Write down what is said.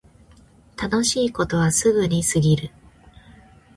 楽しいことはすぐに過ぎる